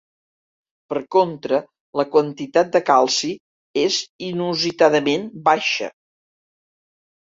Per contra, la quantitat de calci és inusitadament baixa.